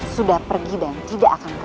sudah pergi dan tidak akan pulang